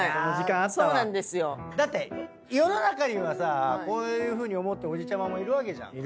だって世の中にはさこういうふうに思ってるおじちゃまもいるわけじゃん。